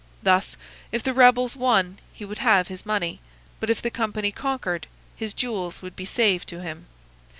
Thus, if the rebels won he would have his money, but if the Company conquered his jewels would be saved to him.